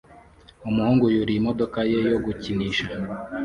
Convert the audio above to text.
Umuhungu yuriye imodoka ye yo gukinisha